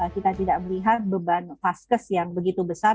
kita tidak melihat beban vaskes yang begitu besar